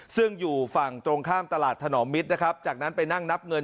ซึ่งอยู่ฝั่งตรงข้ามตลาดถนอมมิตรนะครับจากนั้นไปนั่งนับเงิน